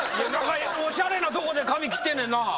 おしゃれなとこで髪切ってんねんな。